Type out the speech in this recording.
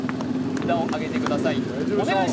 札をあげてください